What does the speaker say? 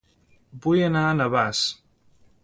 Vull anar a Navàs